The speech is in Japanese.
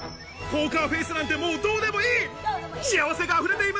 ポーカーフェイスなんてもうどうでもいい。